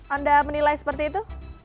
anda menilai seperti itu